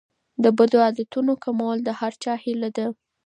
د بدو عادتونو کمول د هر چا هیله ده.